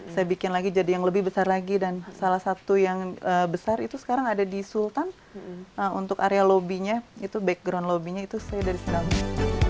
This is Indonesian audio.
saya bikin lagi jadi yang lebih besar lagi dan salah satu yang besar itu sekarang ada di sultan untuk area lobby nya itu background lobbynya itu saya dari sekarang